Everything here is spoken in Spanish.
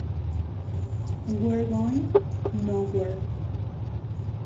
We're going nowhere!